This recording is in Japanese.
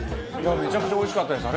めちゃくちゃおいしかったです。